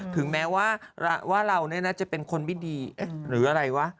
ถึงแม้ว่าเราจะเป็นคนไม่ดีหรืออะไรวะ